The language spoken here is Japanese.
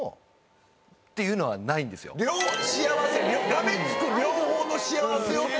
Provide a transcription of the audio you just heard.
がめつく両方の幸せをって